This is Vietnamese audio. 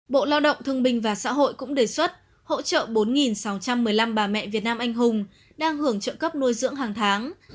bộ lao động thương bình và xã hội cũng đề xuất hỗ trợ bốn sáu trăm một mươi năm bà mẹ việt nam anh hùng đang hưởng trợ cấp nuôi dưỡng hàng tháng